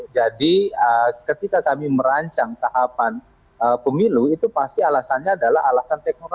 jadi ketika kami merancang tahapan pemilu itu pasti alasannya adalah alasan teknologis